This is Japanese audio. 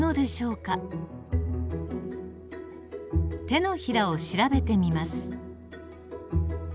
手のひらを調べてみます。